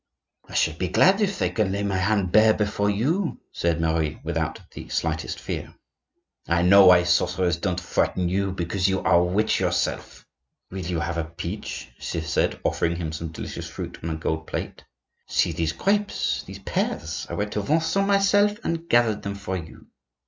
"I shall be glad if they can lay my heart bare before you," said Marie, without the slightest fear. "I know why sorcerers don't frighten you,—because you are a witch yourself." "Will you have a peach?" she said, offering him some delicious fruit on a gold plate. "See these grapes, these pears; I went to Vincennes myself and gathered them for you."